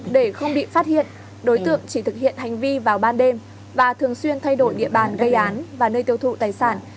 để không bị phát hiện đối tượng chỉ thực hiện hành vi vào ban đêm và thường xuyên thay đổi địa bàn gây án và nơi tiêu thụ tài sản